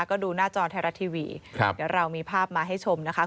ก็ดูหน้าจอไทยรัฐทีวีเดี๋ยวเรามีภาพมาให้ชมนะคะ